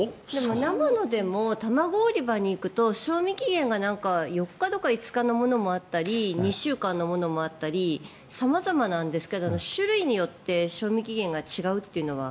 生のでも卵売り場に行くと、賞味期限が４日とか５日のものもあったり２週間のものもあったり様々なんですけど種類によって賞味期限が違うというのは。